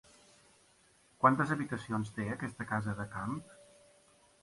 Quantes habitacions té aquesta casa de camp?